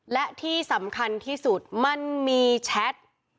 และที่สำคัญที่สุดมันมีแชท